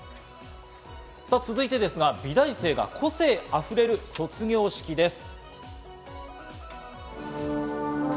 続いてですが、美大生が個性あふれる卒業式です。